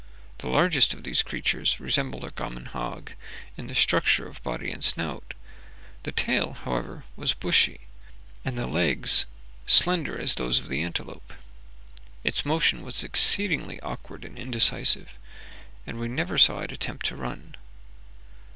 The largest of these creatures resembled our common hog in the structure of the body and snout; the tail, however, was bushy, and the legs slender as those of the antelope. Its motion was exceedingly awkward and indecisive, and we never saw it attempt to run.